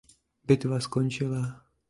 Bitva skončila.